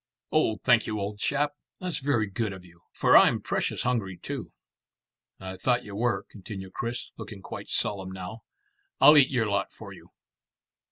"Oh, thank you, old chap. That's very good of you, for I'm precious hungry too." "I thought you were," continued Chris, looking quite solemn now. "I'll eat your lot for you."